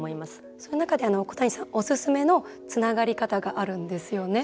その中で小谷さんおすすめのつながり方があるんですよね。